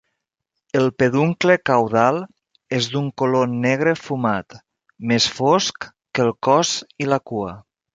El peduncle caudal és d'un color negre fumat, més fosc que el cos i la cua.